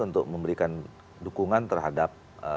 untuk memberikan dukungan terhadap